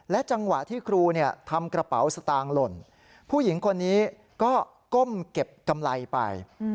จังหวะที่ครูทำกระเป๋าสตางค์หล่นผู้หญิงคนนี้ก็ก้มเก็บกำไรไป